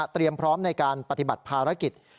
เตรียมพร้อมในการปฏิบัติภารกิจ